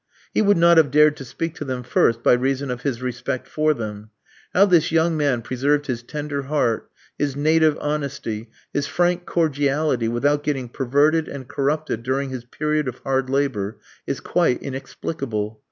He would not have dared to speak to them first by reason of his respect for them. How this young man preserved his tender heart, his native honesty, his frank cordiality without getting perverted and corrupted during his period of hard labour, is quite inexplicable.